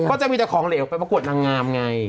ก็จะมีแต่ของเหลวไปประกวดนางงามไง